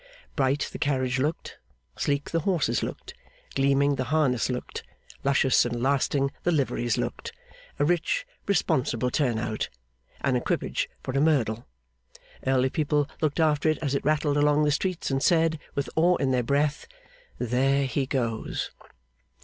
Bright the carriage looked, sleek the horses looked, gleaming the harness looked, luscious and lasting the liveries looked. A rich, responsible turn out. An equipage for a Merdle. Early people looked after it as it rattled along the streets, and said, with awe in their breath, 'There he goes!